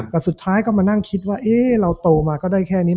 แต่สุดท้ายก็มานั่งคิดว่าเราโตมาก็ได้แค่นี้